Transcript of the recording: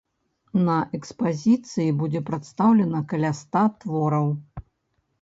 На экспазіцыі будзе прадстаўлена каля ста твораў.